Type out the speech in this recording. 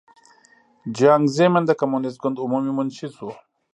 جیانګ زیمن د کمونېست ګوند عمومي منشي شو.